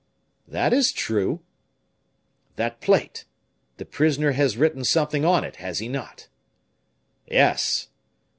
"That is true." "That plate the prisoner has written something on it, has he not?" "Yes."